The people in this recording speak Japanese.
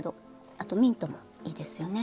あとミントもいいですよね。